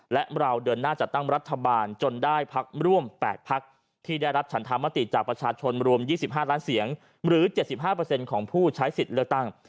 และเราเดินหน้าจัดตั้งรัฐบาลจนได้พักร่วม๘พักที่ได้รับฉันธรรมติจากประชาชนรวม๒๕ล้านเสียงหรือ๗๕ของผู้ใช้สิทธิ์เลือกตั้ง